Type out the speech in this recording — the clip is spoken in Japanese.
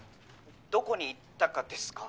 どこに行ったかですか？